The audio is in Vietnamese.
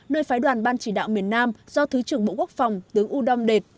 nơi phái đoàn ban chỉ đạo miền nam do thứ trưởng bộ quốc phòng tướng u đông đệt